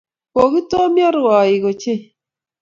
kokitomyo rwaik ocheei